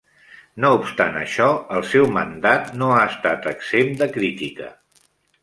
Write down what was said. No obstant això, el seu mandat no ha estat exempt de crítica.